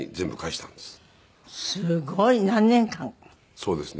そうですね。